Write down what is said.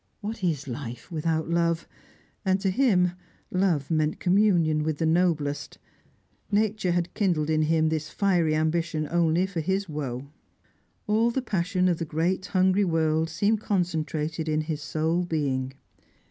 What is life without love? And to him love meant communion with the noblest. Nature had kindled in him this fiery ambition only for his woe. All the passion of the great hungry world seemed concentrated in his sole being.